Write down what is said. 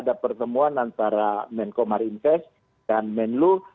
ada pertemuan antara menkomar invest dan menlu